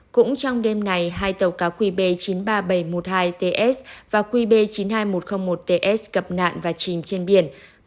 cũng trong đêm nay hai tàu cá qb chín mươi ba nghìn bảy trăm một mươi hai ts và qb chín mươi hai nghìn một trăm linh một ts gặp nạn và chìm trên biển